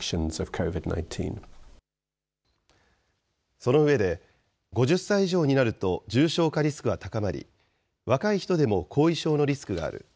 その上で、５０歳以上になると重症化リスクは高まり、若い人でも後遺症のリスクがある。